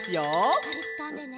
しっかりつかんでね。